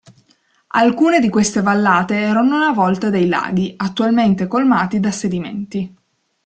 Alcune di queste vallate erano una volta dei laghi, attualmente colmati da sedimenti.